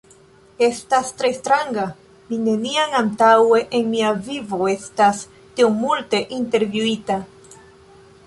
Estas tre stranga! Mi neniam antaŭe en mia vivo, estas tiom multe intervjuita!